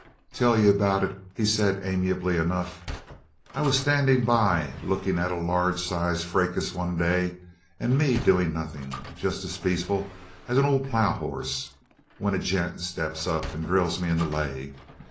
"Tell you about it," he said amiably enough. "I was standing by looking at a large sized fracas one day and me doing nothing just as peaceful as an old plough hoss when a gent ups and drills me in the leg.